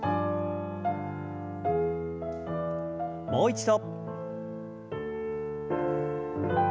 もう一度。